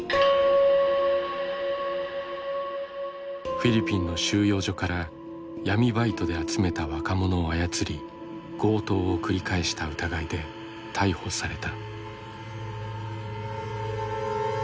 フィリピンの収容所から闇バイトで集めた若者を操り強盗を繰り返した疑いで逮捕された。